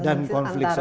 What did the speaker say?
dan konflik sosial